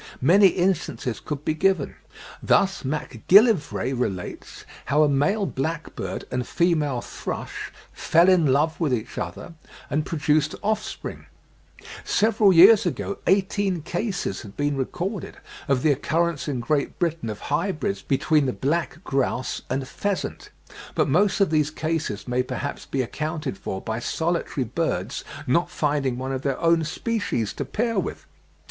Many instances could be given: thus Macgillivray relates how a male blackbird and female thrush "fell in love with each other," and produced offspring. (17. 'History of Brit. Birds,' vol. ii. p. 92.) Several years ago eighteen cases had been recorded of the occurrence in Great Britain of hybrids between the black grouse and pheasant (18. 'Zoologist,' 1853 1854, p. 3946.); but most of these cases may perhaps be accounted for by solitary birds not finding one of their own species to pair with.